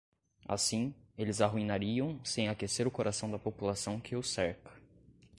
Assim, eles arruinariam sem aquecer o coração da população que os cerca.